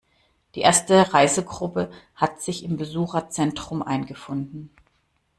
Die erste Reisegruppe hat sich im Besucherzentrum eingefunden.